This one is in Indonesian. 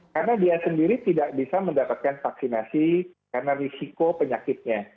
karena dia sendiri tidak bisa mendapatkan vaksinasi karena risiko penyakitnya